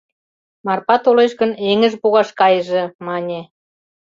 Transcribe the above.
Марпа толеш гын, эҥыж погаш кайыже, мане.